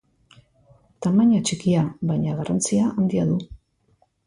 Tamaina txikia baina garrantzia handia du.